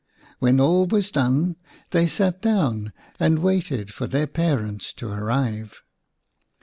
When all was done they sat down and waited for their parents to arrive.